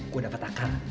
gue dapet akal